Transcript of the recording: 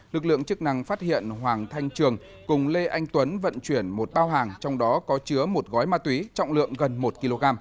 lực lượng chức năng phát hiện hoàng thanh trường cùng lê anh tuấn vận chuyển một bao hàng trong đó có chứa một gói ma túy trọng lượng gần một kg